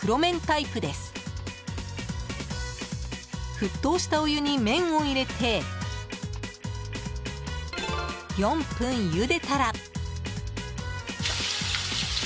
沸騰したお湯に麺を入れて４分ゆでたら。